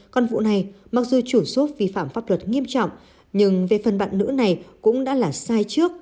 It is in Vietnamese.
còn vụ này mặc dù chủ xốp vi phạm pháp luật nghiêm trọng nhưng về phần bạn nữ này cũng đã là sai trước